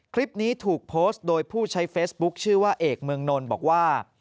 คลิปนี้ถูกโพสต์โดยผู้ใช้เฟซบุ๊คชื่อว่าเอกเมืองนลบอกว่า